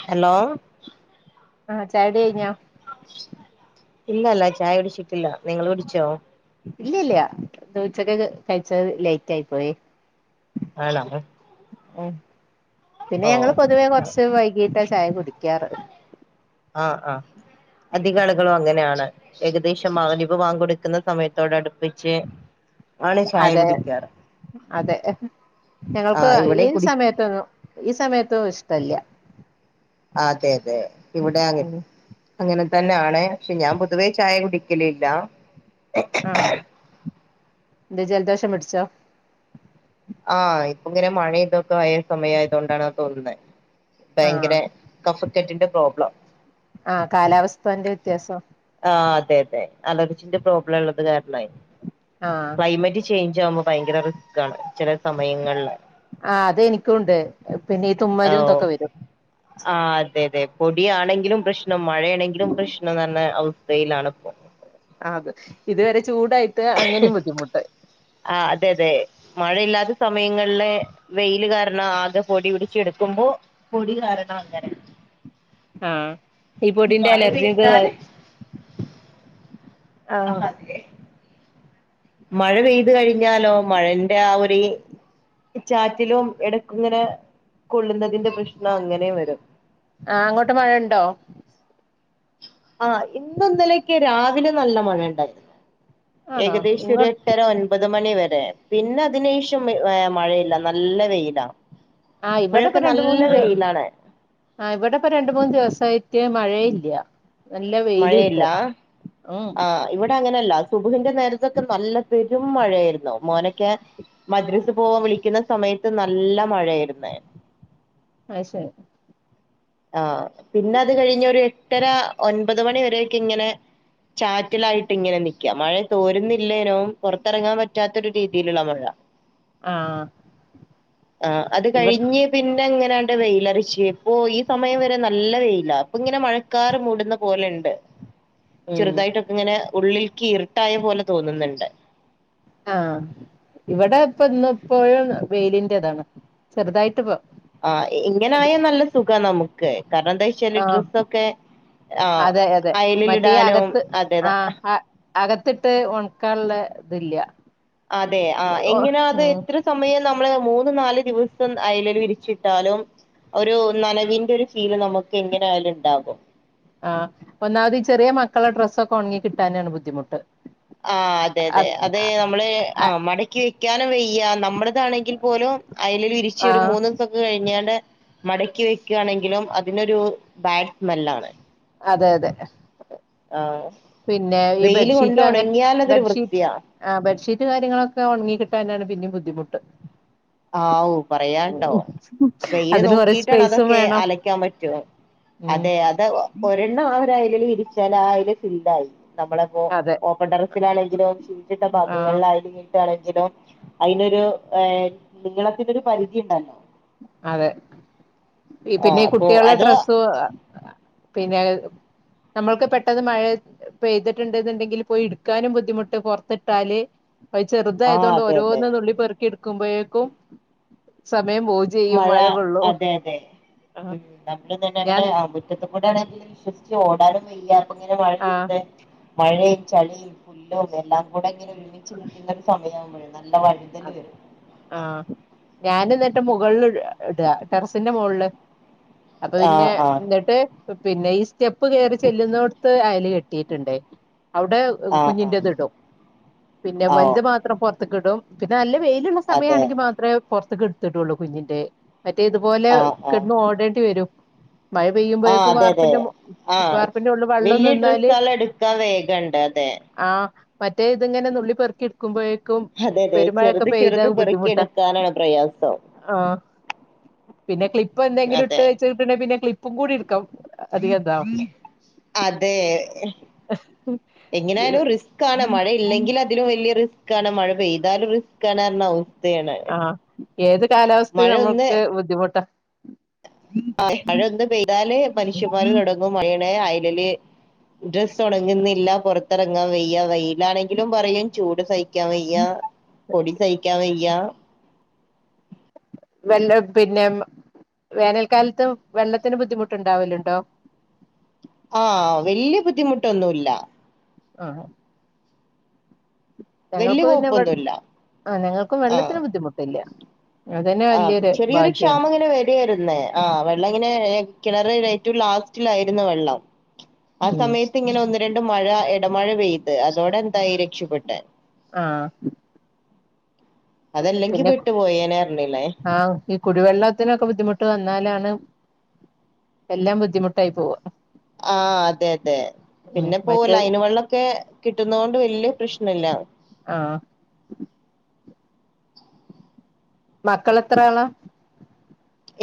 Hello ആഹ് ചായുടി കഴിഞ്ഞോ ഇല്ലല്ല ചായ കുടിച്ചിട്ടില്ല, നിങ്ങള് കുടിച്ചോ? ഇല്ലല്ല്യ, ഇന്ന് ഉച്ചയ്ക്ക് കഴിച്ചത് ലേറ്റ് ആയി പോയി. [unintelligible] ഉം പിന്നെ ഓ ഞങ്ങള് പൊതുവേ കൊറച്ച് വൈകിട്ടാ ചായ കുടിക്കാറ്. ആഹ് ആഹ് അധിക ആളുകളും അങ്ങനെയാണ്, ഏകദേശം [unintelligible] വാങ്ക് കൊടുക്കുന്ന സമയത്തോട് അടു പ്പിച്ച്. അതെ അതെ ഞങ്ങൾക്ക് ആഹ് ഇവിടെ ഈ കുടി സമയത്ത്. ഈ സമയത്തോ ഇഷ്ടല്ല. അതെ അതെ ഇവിടെ ആണ്, ഉം അങ്ങനെ. തന്നെ ആണ്, പക്ഷെ ഞാൻ പൊതുവേ ചായ കുടിക്കൽ ഇല്ല. ആഹ് എന്താ ജലദോഷം പിടിച്ചോ? ആഹ് ഇപ്പ ഇങ്ങനെ മഴ ഇതൊക്കെ ആയ സമയം ആയതുകൊണ്ട് ആണെന്ന് തോന്നുന്നേ ആഹ് ഭയങ്കര. കഫക്കെറ്റിന്റെ പ്രോബ്ലം. ആഹ് കാലാവസ്ഥന്റെ വ്യത്യാസം. ആഹ് അതെ അതെ അലർജിന്റെ പ്രോബ്ലം ഉള്ളത് കാരണവേ ആഹ് ക്ലൈമറ്റ്. ചേഞ്ച് ആവുമ്പോ ഭയങ്കര റിസ്ക് ആണ്, ചെല സമയങ്ങളില്. ആഹ് അത് എനിക്കുണ്ട്, പിന്നെ ഇത്. ഓഹ് ആഹ് അതെ അതെ പൊടിയാണെങ്കിലും പ്രശ് നം മഴയാണെങ്കിലും പ്രശ്നം തന്നെ അവസ്ഥയിലാണ് ഇപ്പോ. അത് ഇതുവരെ ചൂടായിട്ട് അങ്ങനെയും ബുദ്ധിമുട്ട്. ആഹ് അതെ അതെ. മഴയില്ലാത്ത സമയങ്ങളിലെ വെയില് കാരണം ആകെ പൊടി പിടിച്ചെടുക്കുമ്പോ. പൊടി കാരണം അങ്ങനെ. ആഹ് ഈ പൊടിന്റെ മഴ അലർജി പെയ്താല് ഇതുവരെ. ആ ആഹ് അതെ മഴ പെയ്ത് കഴിഞ്ഞാലോ മഴന്റെ ആഹ് ഒരു ഈ. ചാറ്റിലും ഇടയ്ക്ക് ഇങ്ങനെ കൊള്ളുന്നതിന്റെ പ്രശ്നം അങ്ങനെയും വരും. ആഹ് അങ്ങോട്ട് മഴയുണ്ടോ? ആഹ് ഇന്നും ഇന്നലെയൊക്കെ രാവിലെ നല്ല മഴയുണ്ടായിരുന്നു, ആണോ ഏകദേശം ഒരു ഇങ്ങോ എട്ടര ഒൻപത്. ഒൻപത് മണി വരെ പിന്നെ അതിന് ശേഷം ഏഹ് മഴയില്ല നല്ല വെയിലാ. ആഹ് ഇവിടെപ്പ ഇപ്പോഴൊക്കെ രണ്ട് നല്ല മൂന്ന് ദി വെയിലാണ്. ആഹ് ഇവിടെ ഇപ്പൊ രണ്ട് മൂന്ന് ദിവസായിട്ട് മഴയില്ല. നല്ല വെയില് മഴയില്ല കിട്ടുക, ഉം. ആഹ് ഇവിടെ അങ്ങനെയല്ല [unintelligible] നേരത്തൊക്കെ നല്ല പെരും മഴയായിരുന്നു, മോനൊക്കെ. മദ്രസ് പോവാൻ വിളിക്കുന്നു സമയത്ത് നല്ല മഴയായിരുന്നു. ആഹ് ശരി. ആഹ് പിന്നെ അത് കഴിഞ്ഞ് ഒരു എട്ടര ഒൻപത് മണിവരെ ഒക്കെ ഇങ്ങനെ. ചാറ്റൽ ആയിട്ട് ഇങ്ങനെ നിൽക്കാ, മഴ തോരുന്നില്ലനോ പൊറത്ത് ഇറങ്ങാൻ പറ്റാത്തൊരു രീതിയിലുള്ള മഴ. ആഹ്. ആഹ്, അത് ഇവ കഴിഞ്ഞ്. പിന്നെ, അങ്ങനാണ്ട് വെയിലറിച്ച് പോയി. സമയം വരെ നല്ല വെയിലാ. ഇപ്പ ങ്ങനെ മഴക്കാറ് മൂട്ന്നപോലെണ്ട്. ഉം ചെറ്തായിട്ട് - ങ്ങനെ, ഉള്ളിൽക്ക് ഇരുട്ടായ പോലെ തോന്നുന്നുണ്ട്. ആഹ്, ഇവടെ ഇപ്പൊ ഇന്ന് ഇപ്പോഴും വെയിലി ന്റെതാണ്. ചെറ്തായിട്ട് പോ- ആഹ്, ഇങ്ങനായാ നല്ല സുഖാ നമുക്ക് കാരണം എന്താ- ച്ചാല്, ആഹ് ഡ്രസ്സൊക്കെ ആഹ്, അതെ അതെ മറ്റേ അയലിലിടാനും, അതെ ന്നാ - അകത്ത് ട്ട് ഒണക്കാനു ള്ള ഇത്‌ ല്ല്യ. അതെ, ആഹ്, എങ്ങനാ ത് എത്ര സമയം നമ്മള് മൂന്ന്, നാല് ദിവസം അയലില് വിരിച്ചിട്ടാലും ഒരു, നനവിന്റെ ഒരു, ഫീല് നമുക്ക് എങ്ങനായാലും ഇണ്ടാകും. ആഹ്. ഒന്നാമതീ ചെറിയ മക്കളെ, ഡ്രസ്സൊക്കെ ഒണങ്ങി കിട്ടാനാണ് ബുദ്ധിമുട്ട്. ആഹ്. അതെ, അതെ, അതെ നമ്മള് ആഹ്, മടക്കി വെക്കാനും വെയ്യ, നമ്മള്- താണെങ്കിൽ പോലും, അയലിൽ വിരിച് ഒരു ആഹ് മൂന്ന്- ക്കൊക്കെ കഴിഞ്ഞാണ്ട്, മടക്കി വെക്കാണെങ്കിലും അതിനൊരു ബാഡ് സ്മെല്ലാണ്. അതെ അതെ. ആഹ്. പിന്നെ, ഈ ബെഡ് ഷീറ്റ്- ട്ട്, ഒണങ്ങ്യാ ലതൊര് വൃത്തിയാ. ആഹ്, ബെഡ് ഷീറ്റ് കാര്യങ്ങളൊക്കെ ഒണങ്ങി കിട്ടാനാണ് പിന്നീം ബുദ്ധിമുട്ട്. ഹാവൂ, പറയാണ്ടോ? വെയില് അതിന് നോക്കി കൊറേ യിട്ടാണ് സ്പേസും അതൊക്കെ വേണം അലക്കാൻ പറ്റു. ഉം അതെ, അത് ഒരെണ്ണം ആ യലില് വിരിച്ചാല് ആഹ്, അയല് ഫില്ലായി. നമ്മള പ്പോ അതെ ഓപ്പൺ ടെറസി ലാണെങ്കിലും, ഷീറ്റിട്ട ആ ഭാഗങ്ങൾലാ ണെങ്കിലും അതിനൊരു, ഏഹ് നീളത്തിനൊരു പരിധിണ്ട ല്ലോ? അതെ, ഈ പിന്നെ, ആഹ് ഈ അപ്പൊ കുട്ട്യാളെ അത് ഡ്രെസ്സും - പിന്നെ, നമ്മൾക്ക് പെട്ടെന്ന് മഴയ പെയ്തിട്ട്ന്ന് ണ്ടെങ്കിൽ പോയി, ഇട്ക്കാനും ബുദ്ധിമുട്ട്. പൊറത് ട്ടാല്. അത്, ചെറ്തായ ആഹ് തോണ്ട് അതെ അതെ ഓരോന്ന് നുള്ളി പെറ്ക്കി ഇട്ക്ക്‌മ്പഴേക്കും സമയം പോവു മഴ, അതെ, അതെ ആ ഉം, നമ്മള് തന്നെ ഞാൻ അവടെ അമ്- മിറ്റത്ത്ക്കൂടെ ആണെങ്കില് വിശ്വസിച്ച് ഓടാനും വയ്യാ, അപ്പൊ ഇങ്ങനെ മഴ പെയ്ത ആ - മഴേം, ചളിം, പുല്ലും, എല്ലാം കൂടെ ഇങ്ങനെ ഒരുമിച്ച് നിക്ക്ന്ന ഒരു, സമയാവൂമ്പളെ, നല്ല വഴ്തല് വരും. ആഹ്, ഞാന് ഇന്നട്ട് മുകളിൽ ഇടാ, ടെറസിന്റെ മോളില്. അപ്പൊ, പിന്നെ, ആഹ് ആഹ് ഇന്ന്ട്ട്- പിന്നെ, ഈ സ്റ്റെപ്പ് കേറി ചെല്ല്ന്നോടത്ത് അയല് കെട്ടി യിട്ട്ണ്ട് അവ്ടെ- ആഹ് ആഹ് കുഞ്ഞിന്റെ ത്ടും. പിന്നെ, ആ ഓ വൽത് മാത്രം പൊറതിക്ക് ഇടും. പിന്നെ, നല്ല വെയില്ള്ള അതെ സമയാണെങ്കി മാത്രേ പൊറത്ത്ക്ക്‌ ടൊള്ളു കുഞ്ഞിന്റെ. മറ്റേത്, ഇത് പോലെ ആഹ് ആഹ് കെടന്ന് ഓടേണ്ടി വരും. മഴ ആഹ് പെയ്യുമ്പൊഴേക്കും അതെ അതെ വാർപ്പിന്റെ മോ - ആഹ്, വല്യ ഡ്രസ്സാള് എടുക്കാ വേഗം ണ്ട്. അതെ ആഹ്, മറ്റേ ഇതിങ്ങനെ നുള്ളി പെറുക്കി ഇടുക്കുമ്പോഴേക്കും അതെ അതെ പെരുമഴ ക്കെ ചെറുത് പെയ്താ, ചെറുത് അത് ബുദ്ധിമുട്ടാ, പെറുക്കിയെടുക്കാനാണ് പ്രയാസം ആഹ് പിന്നെ, ക്ലിപ്പ് എന്തെങ്കിലും ഇട്ട് അതെ വച്ച, പിന്നെ, പിന്നെ ക്ലിപ്പും കൂടി ഇട്ക്ക അധികംതാ അതെ, എങ്ങന യാലും റിസ്കാണ്. മഴ യില്ലെങ്കില ഇല്ലെങ്കിലും വല്യ റിസ്കാണ്. മഴ പെയ്താലും റിസ്കാണ്. ആവും. ആഹ് ഏത് കാലാവസ്ഥയും നമ്മൾക്ക് ബുദ്ധിമുട്ടാ ആ മഴ ഒന്ന് പെയ്താല് മനുഷ്യമ്മാര് തൊടങ്ങും മഴേണ് അയലില് ഡ്രസ്സ് ഉണങ്ങുന്നില്ല പുറത്തെറങ്ങാൻ വയ്യ വെയിലാണെങ്കിലും പറയും ചൂട് സഹി ക്കാൻ വയ്യ പൊടി സഹിക്കാൻ വയ്യ വെള്ള പിന്നെ വേനൽക്കാലത്ത് വെള്ളത്തിന് ബുദ്ധിമുട്ടുണ്ടാവലുണ്ടോ? ആഹ് വല്ല്യ ബുദ്ധിമുട്ടൊന്നൂല്ല ആഹാ വലിയ ഞങ്ങൾക്ക് പിന്നെ ഇവെ കുഴപ്പമൊന്നുമില്ല ആ ഞങ്ങൾക്കും വെള്ളത്തിന് ബുദ്ധിമുട്ടില്ല അതന്നെ ആഹ് വലിയൊരു ചെറിയൊരു ഭാഗ്യാണ് ക്ഷാമങ്ങനെ വര് പ്പി വരുന്നെ ആ വെള്ളങ്ങനെ കിണറ് ഏറ്റവും ലാസ്റ്റിലായിരുന്നു വെള്ളം ആ ഉം സമയത്ത് ഇങ്ങനെ ഒന്ന് രണ്ട് മഴ എടമഴ പെയ്ത് അതോടെ എന്തായി രക്ഷപ്പെട്ട് ആഹ് അതല്ലെങ്കി പിന്നെ പെട്ടു പോയേനെ അറഞ്ഞിലെ ആഹ് ഈ കുടിവെള്ളത്തിനൊക്കെ ബുദ്ധിമുട്ട് വന്നാലാണ് എല്ലാം ബുദ്ധിമുട്ടായി പോവ ആ അതെ അതെ ഉം പിന്നെപ്പൊ മറ്റേ ലൈന് വെള്ളൊക്കെ കിട്ടുന്നോണ്ട് വല്യ പ്രശ്നല്ല ആഹ് മക്കള് എത്ര ആളാ?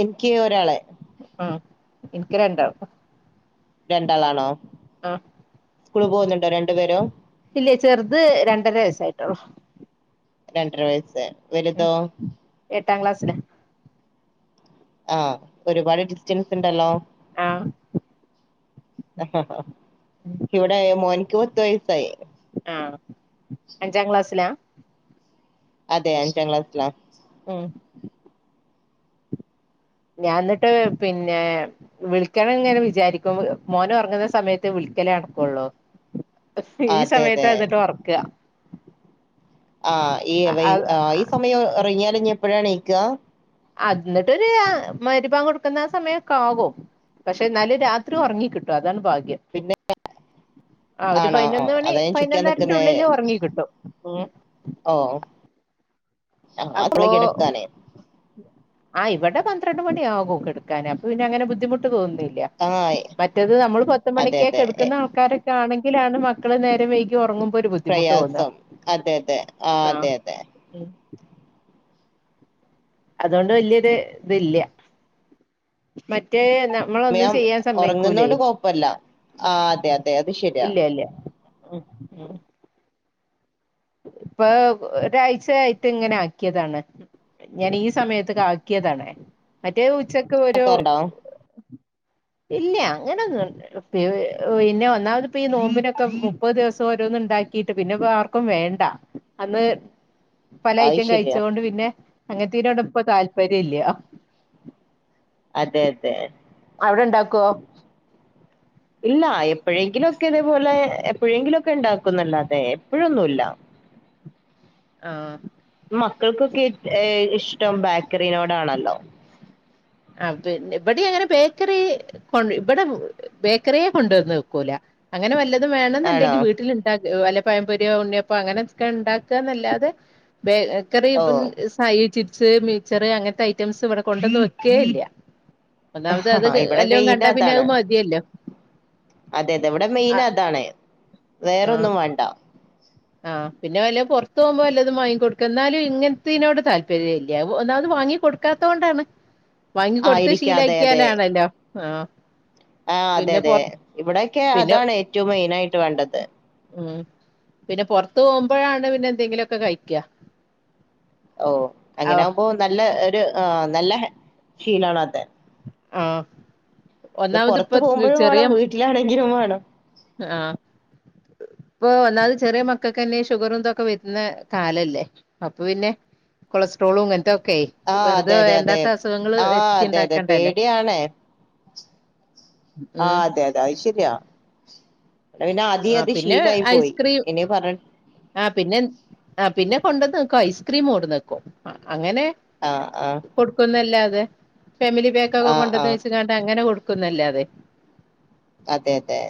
എനിക്ക് ഒരാള് ആഹ് ഇനിക്ക് രണ്ടാള് രണ്ടാളാണോ? ആഹ് സ്കൂള് പോകുന്നുണ്ടോ രണ്ടു പേരും? ഇല്ല്യ ചെറുത് രണ്ടര വയസ്സായിട്ടുള്ളു രണ്ടര വയസ്സ് വലുതോ? എട്ടാം ക്ലാസ്സില് ആഹ് ഒരുപാട് ഡിസ്റ്റൻസ് ഇണ്ടല്ലോ ആഹ് ഇവിടെ മോൻക്ക് പത്ത് വയസ്സായി ആഹ് അഞ്ചാക്ലാസ്സിലാ അതെ അഞ്ചാക്ലാസ്സിലാ ഉം ഞാന്ന്ട്ട് പിന്നെ വിളിക്കണം ഇങ്ങനെ വിചാരിക്കും മോൻ ഒറങ്ങുന്ന സമയത്തെ വിളിക്കല് നടക്കൊള്ളൂ ഈ അതെ അതെ സമയത്താ ഇന്ന്ട്ട് ഒർക്കാ ആ ഈ വെയ് ആ ഈ സമയം ഒറങ്ങിയാല് ഇഞ്ഞി എപ്പൊഴാണീക്കാ അത് ന്ന്ട്ടൊരു ആ മഗ് രിബാങ്കൊട്ക്കുന്ന സമയൊക്കാകും പക്ഷെ ഇന്നാലും രാത്രി ഒറങ്ങി കിട്ടും അതാണ് ഭാഗ്യം പിന്നെ [unintelligible] ആ ഒര് ആണോ ഓ പതിനൊന്ന്‌ മണി അതാ ഞാൻ ചോദിക്കാൻ പതിനൊന്നരന്റെ നിക്കുന്നേ ഉള്ളില് ഒറങ്ങികിട്ടും ഉം ഓഹ് അപ്പൊ ആ, ഇവടെ പന്ത്രണ്ട് മണിയാകും കെടുക്കാന് അപ്പൊ പിന്നെ അങ്ങനെ ബുദ്ധിമുട്ട് തോന്നുണില്യ ആ മറ്റത് നമ്മള് അതെ പത്ത്മണിക്കെ അതെ എ, കെട്ക്കുന്ന ആൾക്കാരൊക്കെ ആണെങ്കിലാണ് മക്കള് നേരം വൈ കി ഒറങ്ങുമ്പൊരു ബുദ്ധിമുട്ട് തോന്ന പ്രയാസം അതെ അതെ ആ അതെ അതെ അതോണ്ട് വല്യരു ഇത് ല്ല്യ മറ്റേ ന്ന മ്മളൊന്നും ഞാൻ ചെയ്യാൻ സമ്മയ്ക്കൂലേയ് ഉറങ്ങുന്നോണ്ട് കുഴപ്പമില്ല ആ അതെ അതെ അത് ശരിയാ ഇല്ല്യല്ല്യ ഉം ഉം ഇപ്പൊ ഒരാഴ്ചയായിട്ട് ഇങ്ങനെ ആക്കിയതാണ് ഞാൻ ഈ സമയത്ത്ക്കാക്കിയതാണ്. മറ്റേത് ഉച്ചക്ക് ഒരു കേട്ടോ ഇല്ല്യാ. അങ്ങനെ ഒന്നു പ് പിന്നെ ഒന്നാമത്പ്പോ ഈ നോമ്പിനൊക്കെ മുപ്പത് ദിവസം ഓരോന്ന്ണ്ടാക്കിട്ട്. പിന്നെപ്പോ ആർ ക്കും വേണ്ട. അന്ന് പല അത് ഐറ്റം കഴിച്ച ശരിയാ കൊണ്ട് പിന്നെ അങ്ങത്തിനോട് ഇപ്പോ താല്പര്യം ഇല്ല അതെ അതെ അവിടെണ്ടാക്കുവോ? ഇല്ല എപ്പോഴെങ്കിലും ഒക്കെ ഇതേപോലെ. എപ്പോഴെങ്കിലും ഒക്കെ ഉണ്ടാക്കുന്നല്ലാതെ എപ്പോഴൊന്നുല്ല ആഹ് മക്കൾക്കൊക്കെ ഏഹ് ഇഷ്ടം ബേക്കറിനോടാണല്ലോ അത്തന്നെ. ഇബടിം അങ്ങനെ ബേക്കറി കൊണ്ട് ഇവടെ ബേക്കറിയേ കൊണ്ടുവന്ന് വെക്കൂല. അങ്ങനെ വല്ലതും വേണംന്ന് ആണോ ഇണ്ടെങ്കിൽ വീട്ടില്ണ്ടാക്ക് വല്ല പഴം പൊരിയോ ഉണ്ണിയപ്പോ അങ്ങനെയൊക്കെ ഇണ്ടാക്കാന്നല്ലാതെ. ഓ ബേക്കറിപ്പ ഇൻ ഇസ് കായേ ചിപ്സ് മിച്ചറ് അങ്ങനത്തെ ഐറ്റംസ് ഇവടെ കൊണ്ടന്ന് വെക്കേ ഇല്ല്യ ഒന്നാമത് അത് ഇവിടെ വല്ലും മെയിൻ കണ്ടാ പിന്നെ അത് അതാണ് മതിയല്ലോ അതെ അതെ. ഇവടെ മെയിൻ ആ അതാണ് ആ വേറോന്നും വേണ്ട. ആഹ്. പിന്നെ വല്ല പൊറത്ത് പോവുമ്പോ വല്ലതും വാങ്ങി കൊടുക്കാ. എന്നാലും ഇങ്ങനത്തിനോട് താല്പര്യം ഇല്ല. ഒന്നാത് വാങ്ങി കൊടുക്ക് ക്കാത്ത കൊണ്ടാണ്. വാങ്ങി കൊടുത്ത് ആയിരിക്കാം അതെ ശീലാക്ക്യാലാണല്ലോ. ആഹ് ആഹ് അതെ പിന്നെ പൊ അതെ. ഇവിടൊക്കെ പിന്നെ അതാണ് ഏറ്റവും മെയിനായിട്ട് വേണ്ടത് ഉം പിന്നെ പൊറത്ത് പോവുമ്പഴാണ് പിന്നെ എന്തെങ്കിലൊക്കെ കഴിക്കാ. ഓഹ് അങ്ങനെ ആവുമ്പോ നല്ല ഒരു ആഹ് നല്ല ശീലാണത്. ആഹ് ഇത് ഒന്നാമത് പൊറത്തു ഇപ്പ പോവുമ്പഴും ചെറിയ വേണം. വീട്ടിലാണെങ്കിലും വേണം. ആഹ് ഇപ്പോ ഒന്നാത് ചെറ്യ മക്കൾക്കന്നെ ഷുഗറും ഇതൊക്കെ വരുന്ന കാലല്ലേ. അപ്പോ പിന്നെ കൊളസ്ട്രോളും ഇങ്ങനത്തതൊക്കേയ് ആ വെറുതെ അതെ അതെ അതെ വേണ്ടാത്ത അസുഖങ്ങള് ആ അതെ അതെ വര്ത്തിണ്ടാക്കണ്ടല്ലോ പേടിയാണ് ആഹ് അതെ അതെ. അത് ശര്യാ. ഇവടെപിന്നെ ആദ്യേ ആഹ് അത് പിന്നെ ശീലായിപ്പോയി. ഇനി പറഞ്ഞ് ആഹ് പിന്നെ. ആഹ് പിന്നെ കൊണ്ടന്ന് ക്ക് ഐസ്ക്രീം കൊട്ന്നക്കും. അങ്ങനെ ആഹ് ആഹ് കൊടുക്കുന്നല്ലാതെ ഫാമിലി പാക്ക് ഒക്കെ ആ ആ കൊണ്ടന്ന് വെച്ചങ്ങാണ്ട് അങ്ങനെ കൊടുക്കുന്നല്ലാതെ അതെ അതെ.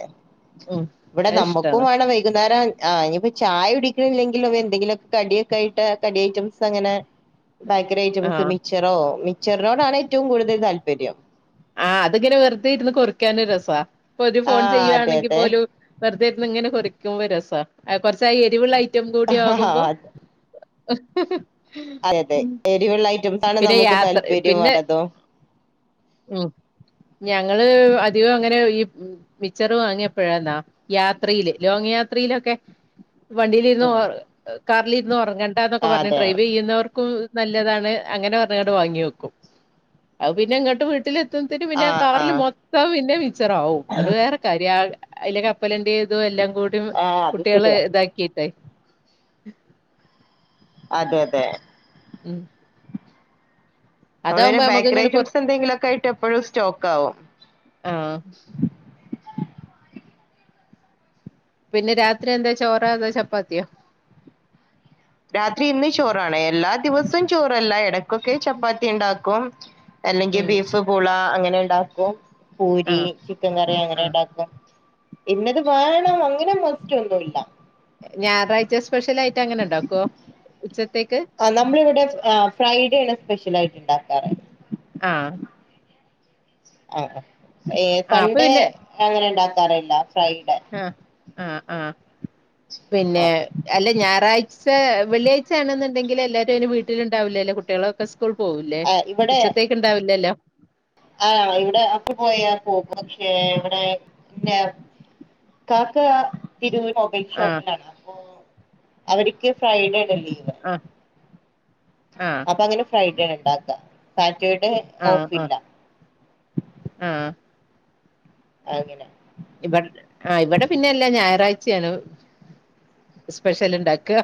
ഉം ഇവടെ അത് നമ്മുക്കും ഇഷ്ടാണ് വേണം വൈകുന്നേരം ആഹ് ഇനിയിപ്പോ ചായടിക്കണില്ലെങ്കിലും എന്തെങ്കിലുമൊക്കെ കടിയൊക്കെ ആയിട്ട്. കടി ഐറ്റംസ് അങ്ങനെ ബാക്കറി ഐറ്റംസ് ആഹ് മിച്ചറോ മിച്ചർനോടാണ് ഏറ്റവും കൂടുതൽ താല്പര്യം. ആഹ് അത്ങ്ങനെ വെറുതെ ഇരുന്ന് കൊറിക്കാനും രസാ. ഇപ്പൊരു ആ ഫോൺ അതെ ചെയ്യുവാണെങ്കി അതെ പോലും വെറുതെ ഇരുന്ന് ഇങ്ങനെ കൊറിക്കുമ്പോ ഒരു രസാ. കൊറച്ചാ എരിവുള്ള ഐറ്റം കൂടി ആ ആകുമ്പോ അ [unintelligible] അതതെ. എരിവുള്ള ഐറ്റംസാണ് പിന്നെ നമുക്ക് യാത്ര താല്പര്യം വരതോ. ഉ ഞങ്ങള് അധികം അങ്ങനെ ഈ മിച്ചറ് വാങ്ങിയെപ്പഴാന്നാ യാത്രയില് ലോങ് യാത്രയിലൊക്കെ വണ്ടിലിരുന്നു ഉം ഒർ ഉം കാറിലിരുന്ന് ഒറങ്ങേണ്ടാന്നൊക്കെ ആ, പറഞ്ഞ് അതെ ഡ്രൈവിയ്യുന്നവർക്കും നല്ലതാണ്. അങ്ങനെ പറഞ്ഞങ്ങട്ട് വാങ്ങി വെക്കും. അത് പിന്നെ ഇങ്ങട്ടും വീട്ടില് ത്തുംമത്തിനും ആ പിന്നെയാ ആ കാറില് മൊത്തം പിന്നെ മിച്ചറാവും. അത് വേറെ കാര്യം. ആഹ് അയിലെ കപ്പലണ്ടീ ഇതു എല്ലാംകൂടിം ആ അത് കുട്ടികള് ശരിയാ ഇതാക്കിട്ടേയ് അതെ അതെ. ഉം നമ്മളൊര് അതാവുമ്പോ നമുക്ക് ബേക്കറി ഇങ്ങനെ കൊറ ഐറ്റംസ് എന്തേങ്കിലൊക്കെ ആയിട്ട് എപ്പഴും സ്റ്റോക്ക് ആവും ആഹ് പിന്നെ രാത്രി എന്താ ചോറാ അതോ ചപ്പാത്തിയോ രാത്രി ഇന്ന് ചോറാണ് എല്ലാ ദിവസം ചോറല്ല എടക്കൊക്കെ ചപ്പാത്തി ഇണ്ടാക്കും. അല്ലെങ്കി ഉം ബീഫ് പൂള അങ്ങനെ ഇണ്ടാക്കും. പൂരി ആഹ് ചിക്കൻ കറി അങ്ങനെ ആഹ് ഇണ്ടാക്കും. ഇന്നെത് വേണം അങ്ങനെ ഒന്നും ഒറ്റൊന്നു ഇല്ല. ഞായറാഴ്ച്ച സ്പെഷ്യലായിറ്റ് അങ്ങനെ ഇണ്ടാക്കോ ഉച്ചത്തേയ്ക്ക് ആഹ് ന്നമ്മള് ഇവ്ടെ ആഹ് ഫ്രൈഡേണ് സ്പെഷ്യലായിട്ട് ഇണ്ടാക്കാറ്. ആഹ് ആഹ് ആഹ് ഏഹ് ആഹ് അപ്പൊ സൺഡേ പിന്നെ അങ്ങനെ ഇണ്ടാക്കാറില്ല ഫ്രൈഡേ അഹ് ആഹ് ആഹ് പിന്നെ ആ അല്ല ഞായറാഴ്ച വെള്ളിയാഴ്ച്ച ആണ്ന്ന്ണ്ടെങ്കില് എല്ലാരും അയ്ന് വീട്ട്ല് ഇണ്ടാവൂല്ലല്ലോ കുട്ട്യാളൊക്കെ സ് സ്കൂൾ പോവുല്ലേ ആ ഉച്ചത്തേക്ക് ഇണ്ടാവില്ലല്ലോ ആഹ് ഇവ്ടെ ഹസ്സ് പോയാ പോകും പക്ഷേ ഇവ്ടെ ഇന്റെ കാക്ക തിരൂര് അവ് [unintelligible] യ്റ്റ് ആഹ് ഷോപ്പിലാണ് അപ്പോ അവര്ക്ക് ഫ്രൈഡേടേണ് ലീവ്. അഹ്, ആഹ് അപ്പഅങ്ങനെ ഫ്രൈഡേണ് ഇണ്ടാക്ക സാറ്റെർഡേ ആഹ്, ആഹ്, ആഹ് അങ്ങെനെ ഇവട് ആഹ് ഇവടെ പിന്നെ എല്ലാ ഞായറാഴ്ച്ചേണ് സ്പെഷ്യൽ ഇണ്ടാക്ക.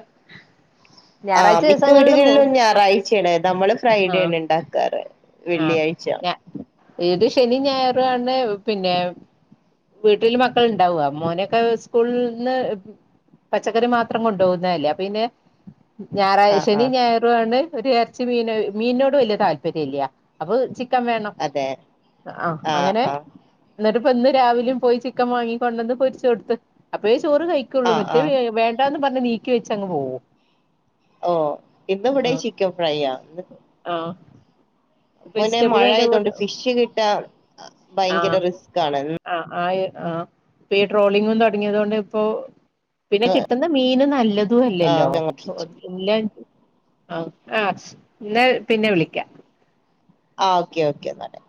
ആഹ് മിക്ക വീട്കളിലും ഞായറാഴ്‌ച്ചേണ് ന്നമ്മള് ആഹ് ഫ്രൈഡേണ് ഇണ്ടാക്കാറ്. ആഹ് ഞ ഇത് ശെനിം ഞായറും ആണ് പിന്നെ വീട്ടില് മക്കള് ഇണ്ടാവ മോനൊക്കെ സ്കൂൾള്ന്ന് പച്ചക്കറി മാത്രം കൊണ്ടോവുന്നതല്ലേ അപ്പപിന്നെ ഞായറാഴ് ആ ആ ശെനിം ഞായറുആണ് ഒര് എർച്ചി മീന് മീനിനോട് വല്ല്യാ താല്പര്യംല്ല അപ്പൊ ചി ക്കം വേണം അതെ ആഹ് ആ അങ്ങനെ ആ ഇന്നെട്ട്പ്പ ഇന്ന് രാവിലിം പോയി ചിക്കം വാങ്ങി കൊണ്ടെന്ന് പൊരിച്ച് കൊടുത്ത് അപ്പഴേ ചോറ് കഴി ക്കൊള്ളു ആ ആ മറ്റേത് വേണ്ടാന്ന് പർഞ് നീക്കി വെച്ചങ്ങ് പോവും. ഓഹ് ഇന്ന് ഇവിടെയും ആഹ് ചിക്കൻ ഫ്രൈയാ ഇന്ന് ആഹ് മുന്നെ വെജിറ്റബിളും അതിന്റെ മഴയാത്കൊണ്ട് കൂടെ ഫിഷ് കിട്ടാൻ ഭയങ്കെരെ റിസ്ക്കാണ്. അഹ്, അഹ്, ഈ, ആഹ് ഇപ്പയീ ട്രോളിങ്ങും തൊടങ്ങിയതോണ്ട് ഇപ്പോ പിന്നെ കിട്ടുന്നമീനും നല്ലെതും ആ അല്ലല്ലോ ഇല്ലെത് ആഹ്, ആഹ് ഇന്ന പിന്നെ വിളിക്കാ. ആഹ് ഓക്കെ, ഓക്കെന്നാല്.